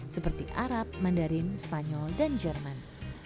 seperti arab mandarin spanyol dan jerman